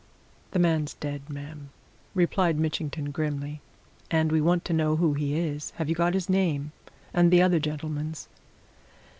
"The man's dead, ma'am," replied Mitchington grimly. "And we want to know who he is. Have you got his name and the other gentleman's?"